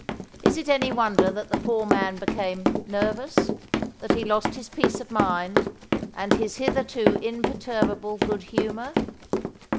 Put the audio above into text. Is it any wonder that the poor man became "nervous"? that he lost his peace of mind and his hitherto imperturbable good humour?